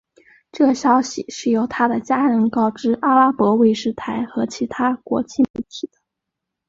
这消息是由他的家人告知阿拉伯卫视台和其他国际媒体的。